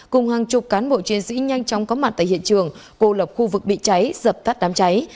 cùng hàng chục cán bộ chiến sĩ nhanh chóng có mặt tại hiện trường cô lập khu vực bị cháy dập tắt đám cháy